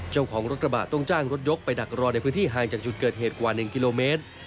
เจ้าของรถกระบะต้องจ้างรถยกไปดักรอในพื้นที่ห่างจากจุดเกิดเหตุกว่า๑กิโลเมตร